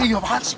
iya apaan sih